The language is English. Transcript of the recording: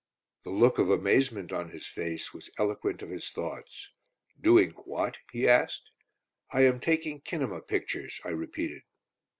The look of amazement on his face was eloquent of his thoughts. "Doing what?" he asked. "I am taking kinema pictures," I repeated.